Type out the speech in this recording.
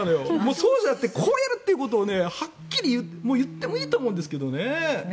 そうじゃなくてこうやるということをはっきり言ってもいいと思うんですけどね。